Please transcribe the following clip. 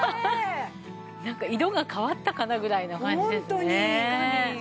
なんか色が変わったかなぐらいの感じですね。